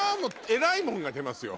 えらいもんが出ますよ。